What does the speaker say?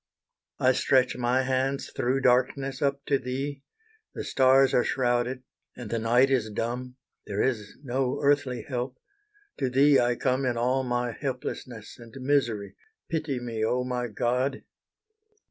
I stretch my hands through darkness up to Thee, The stars are shrouded, and the night is dumb; There is no earthly help, to Thee I come In all my helplessness and misery, Pity me, oh my God!